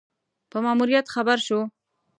په ماموریت خبر شو.